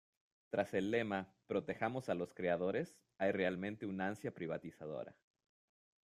Tras el lema “protejamos a los creadores” hay realmente un ansia privatizadora